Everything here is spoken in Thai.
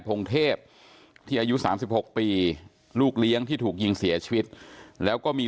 พงเทพที่อายุ๓๖ปีลูกเลี้ยงที่ถูกยิงเสียชีวิตแล้วก็มี